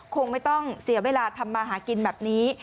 คงไม่ต้องเสียเวลาทำมาหากินแบบนี้